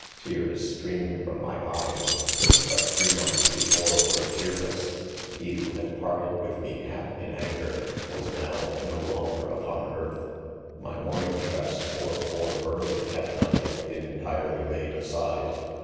c Tears, streamed from ;niy eye?v which ■> but %ree, 'months' before, were tearless j he who iad parted with me half in an^er, was now, n# longer upon tearth. My mourning .dress .for poor Suriei^'had;: not yet been, entirely laid aside.